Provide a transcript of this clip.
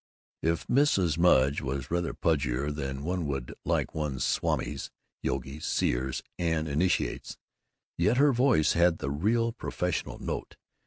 If Mrs. Mudge was rather pudgier than one would like one's swamis, yogis, seers, and initiates, yet her voice had the real professional note.